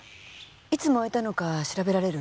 いつ燃えたのか調べられる？